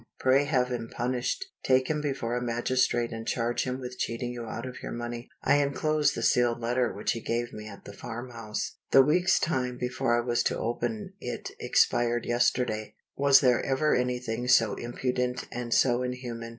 Pray have him punished. Take him before a magistrate and charge him with cheating you out of your money. I inclose the sealed letter which he gave me at the farmhouse. The week's time before I was to open it expired yesterday. Was there ever anything so impudent and so inhuman?